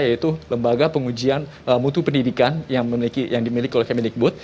yaitu lembaga pengujian mutu pendidikan yang dimiliki oleh kemendikbud